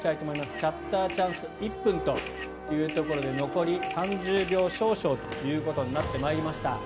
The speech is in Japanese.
シャッターチャンス１分というところで残り３０秒少々ということになってまいりました。